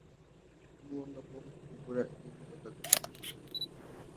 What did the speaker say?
Umuntu agomba kugura ibinyobwa byinshi.